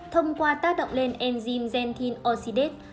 thông qua tác động lên enzyme xanthin oxidase